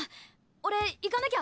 俺行かなきゃ。